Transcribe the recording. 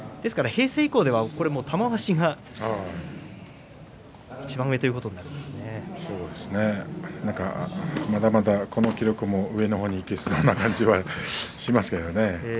平成以降では玉鷲がいちばん上まだまだ、この記録も上のほうにいけそうな気がしますけどもね。